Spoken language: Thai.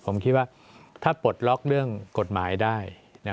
ผมคิดว่าถ้าปลดล็อกเรื่องกฎหมายได้